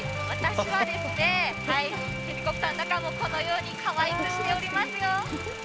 私は、ヘリコプターの中もこのようにかわいくしていますよ。